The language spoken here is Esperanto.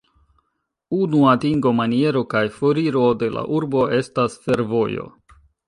Unu atingo-maniero kaj foriro de la urbo estas fervojo.